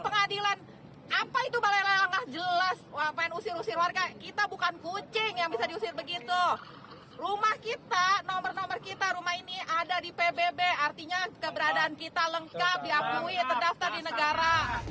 rumah kita nomor nomor kita rumah ini ada di pbb artinya keberadaan kita lengkap diakui terdaftar di negara